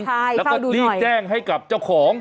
ใช่เฝ้าดูหน่อยได้และก็รีบแจ้งให้กับเจ้าของ